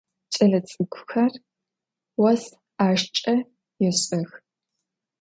Ç'elets'ık'uxer vos 'aşşç'e yêş'ex.